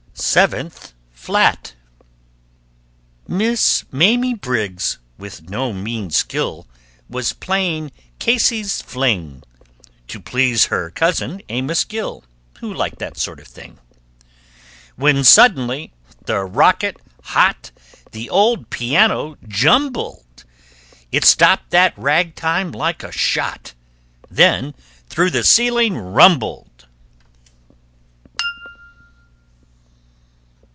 [Illustration: SIXTH FLAT] SEVENTH FLAT Miss Mamie Briggs with no mean skill Was playing "Casey's Fling" To please her cousin, Amos Gill, Who liked that sort of thing, When suddenly the rocket, hot, The old piano jumbled! It stopped that rag time like a shot, Then through the ceiling rumbled.